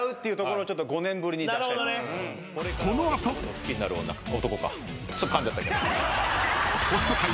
好きになる女男か。